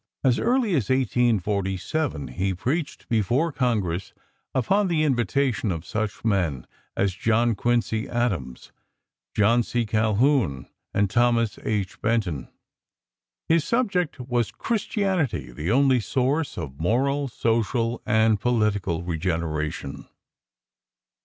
As early as 1847 he preached before Congress upon the invitation of such men as John Quincy Adams, John C. Calhoun and Thomas H. Benton. His subject was: "Christianity, the Only Source of Moral, Social and Political Regeneration."